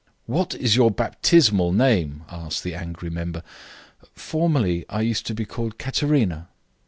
"What is your baptismal name?" asked the angry member. "Formerly I used to be called Katerina."